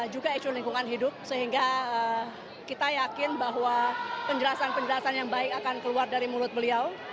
juga isu lingkungan hidup sehingga kita yakin bahwa penjelasan penjelasan yang baik akan keluar dari mulut beliau